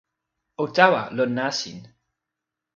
o tawa lon nasin.